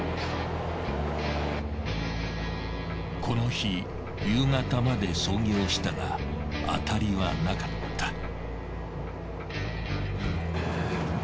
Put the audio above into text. この日夕方まで操業したがアタリはなかった。